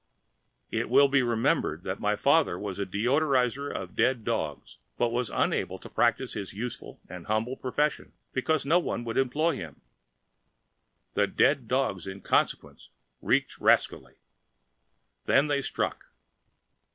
It will be remembered that my father was a deodorizer of dead dogs, but was unable to practice his useful and humble profession because no one would employ him. The dead dogs in consequence reeked rascally. Then they struck!